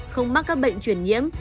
không mắc các bệnh chuyển nhiễm